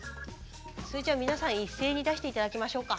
それじゃ皆さん一斉に出して頂きましょうか。